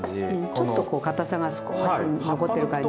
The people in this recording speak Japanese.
ちょっとこうかたさが少し残ってる感じ。